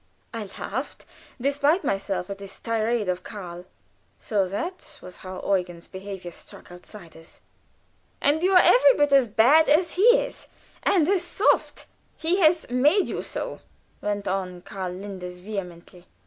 I laughed, despite myself, at this tirade of Karl. So that was how Eugen's behavior struck outsiders! "And you are every bit as bad as he is, and as soft he has made you so," went on Linders, vehemently.